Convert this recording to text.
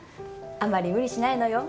あまり無理しないのよ。